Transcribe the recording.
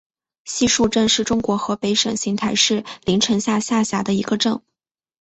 西竖镇是中国河北省邢台市临城县下辖的一个镇。